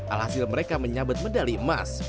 alhasil mereka menyabet medali emas